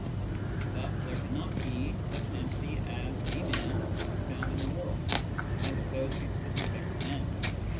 Thus there cannot be such an entity as " a man " to be found in the world, as opposed to specific man.